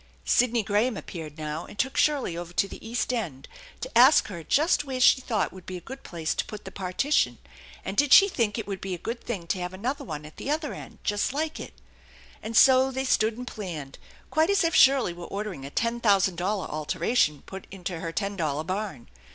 Sidney Graham appeared now, and took Shirley over to the east end to ask her just where she thought would be a good place to put the partition, and did she think it would be a good thing to have another one at the other end just like it? And so they stood and planned, quite as if Shirley were ordering a ten thousand dollar alteration put into her ten dollar barn.